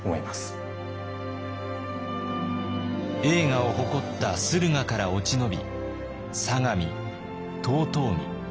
栄華を誇った駿河から落ち延び相模遠江京